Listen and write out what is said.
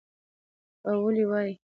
او ولې وايى